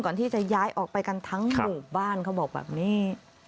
ก่อนที่จะย้ายออกไปกันทั้งหมู่บ้านเขาบอกแบบนี้